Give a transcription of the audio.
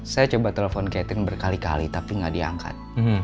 saya coba telepon catherine berkali kali tapi gak diangkat